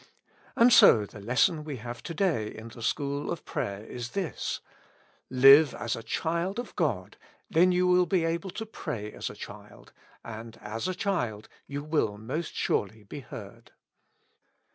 And so the lesson we have to day in the school of prayer is this: Live as a child of God, then you will be able to pray as a child, and as a child you will most assuredly be heard.